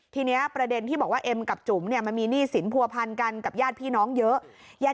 ทีนี้ประเด็นที่บอกว่าเอ็มกับจุ๋มมันมีหนี้สินผัวพันกันกับญาติพี่น้องเยอะ